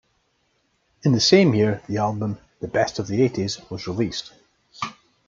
In the same year, the album "The Best of the Eighties" was released.